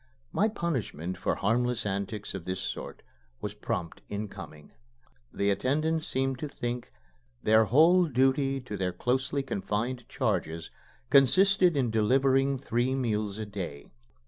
My punishment for harmless antics of this sort was prompt in coming. The attendants seemed to think their whole duty to their closely confined charges consisted in delivering three meals a day.